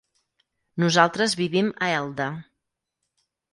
Nosaltres vivim a Elda.